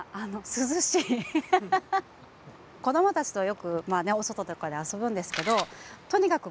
子どもたちとよくまあねお外とかで遊ぶんですけどとにかく